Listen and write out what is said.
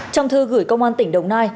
trong thư gửi công an tỉnh đồng nai